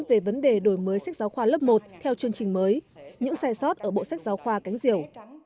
về vấn đề đổi mới sách giáo khoa lớp một theo chương trình mới những sai sót ở bộ sách giáo khoa cánh diều